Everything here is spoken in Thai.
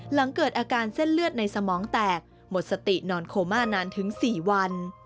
หลังเกิดอาการเส้นเลือดในสมองแตกหมดสตินอนโคม่านานถึง๔วัน